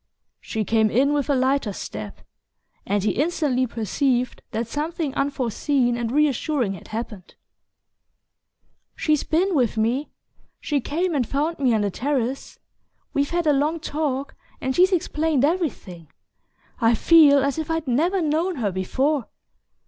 She came in with a lighter step, and he instantly perceived that something unforeseen and reassuring had happened. "She's been with me. She came and found me on the terrace. We've had a long talk and she's explained everything. I feel as if I'd never known her before!"